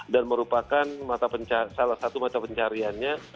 merupakan salah satu mata pencariannya